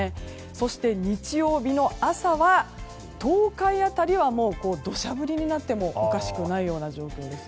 そして日曜日の朝は、東海辺りはもう土砂降りになってもおかしくないような状況です。